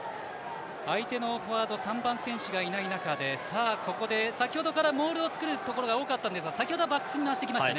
相手のフォワード３番選手がいない中でここで先ほどからモールを作ることが多かったんですが先ほどはバックスにしてきました。